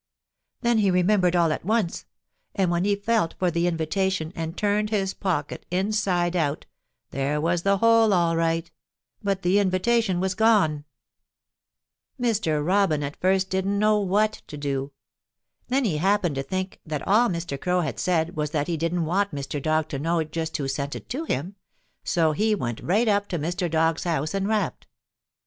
Then he remembered all at once, and when he felt for the invitation and turned his pocket inside out there was the hole all right, but the invitation was gone. [Illustration: FORGOT HE'D EVER HAD ANY TROUBLE IN HIS LIFE.] Mr. Robin at first didn't know what to do. Then he happened to think that all Mr. Crow had said was that he didn't want Mr. Dog to know just who sent it to him, so he went right up to Mr. Dog's house and rapped.